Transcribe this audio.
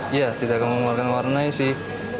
iya tidak akan mengeluarkan warnanya sih